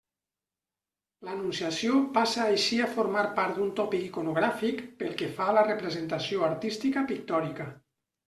L'anunciació passa així a formar part d'un tòpic iconogràfic pel que fa a la representació artística pictòrica.